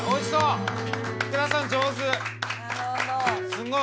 すごい！